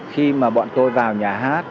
khi mà bọn tôi vào nhà hát